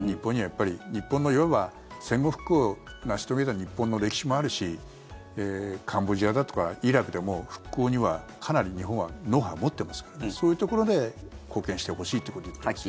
そういう限界がある中で日本にはやっぱり日本のいわば戦後復興を成し遂げた日本の歴史もあるしカンボジアだとかイラクでも復興にはかなり日本はノウハウを持ってますからそういうところで貢献してほしいということを言ってますよね。